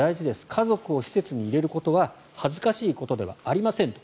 家族を施設に入れることは恥ずかしいことではありませんと。